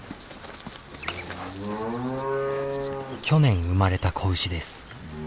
去年生まれた子牛です。